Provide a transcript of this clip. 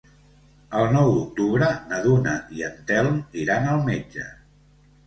El nou d'octubre na Duna i en Telm iran al metge.